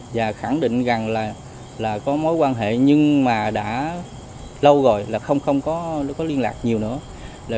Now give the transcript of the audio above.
và khẳng định rằng là có mối quan hệ nhưng mà đã lâu rồi là không có liên lạc nhiều nữa